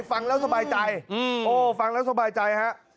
ฟังแล้วสบายใจฟังแล้วสบายใจครับ